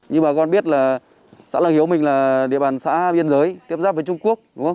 như bà con biết là xã lào hiếu mình là địa bàn xã biên giới tiếp giáp với trung quốc